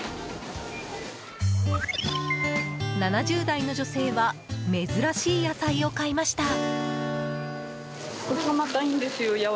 ７０代の女性は珍しい野菜を買いました。